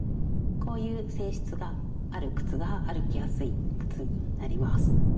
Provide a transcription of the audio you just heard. こういう性質がある靴が歩きやすい靴になります。